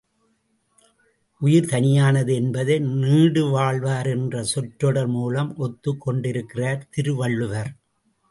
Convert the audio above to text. உயிர் தனியானது என்பதை நீடுவாழ்வார் என்ற சொற்றொடர் மூலம் ஒத்துக் கொண்டிருக்கிறார் திருவள்ளுவர்.